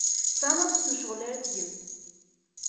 Tesɛam aṭas n ccɣel ara tgem.